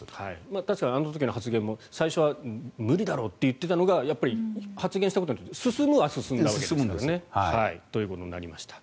確かにあの時の発言も最初は無理だろうといっていたのが発言したことによって進むは進んだんですよね。